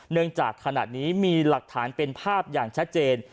จากขณะนี้มีหลักฐานเป็นภาพอย่างชัดเจน